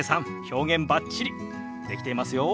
表現バッチリできていますよ。